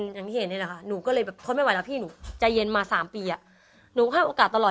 มันก็เลยทำให้